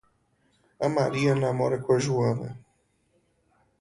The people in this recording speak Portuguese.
A Maria namora com a Joana